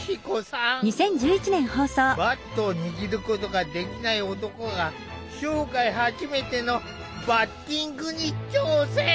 バットを握ることができない男が生涯初めてのバッティングに挑戦！？